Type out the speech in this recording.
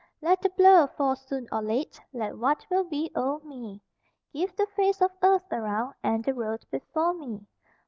Let the blow fall soon or late, Let what will be o'er me; Give the face of earth around, And the road before me.